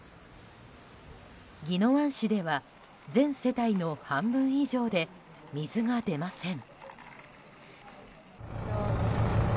宜野湾市では全世帯の半分以上で水が出ません。